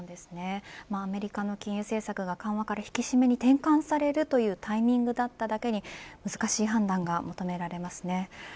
アメリカの金融政策が緩和から引き締めに転換されるというタイミングだっただけに難しい判断が求められますね。